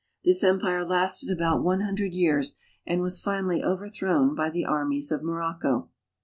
This empire lasted about one hundred years and was finally overthrown Kby the armies of Morocco.